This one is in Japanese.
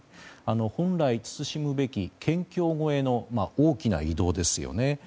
本来、慎むべき県境越えの大きな移動ですよね。